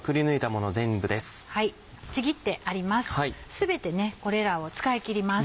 全てこれらを使い切ります。